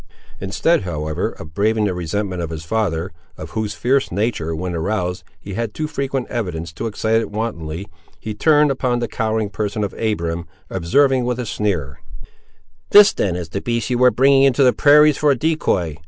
Instead, however, of braving the resentment of his father, of whose fierce nature, when aroused, he had had too frequent evidence to excite it wantonly, he turned upon the cowering person of Abiram, observing with a sneer— "This then is the beast you were bringing into the prairies for a decoy!